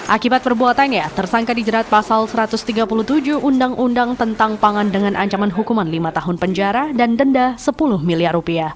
akibat perbuatannya tersangka dijerat pasal satu ratus tiga puluh tujuh undang undang tentang pangan dengan ancaman hukuman lima tahun penjara dan denda rp sepuluh miliar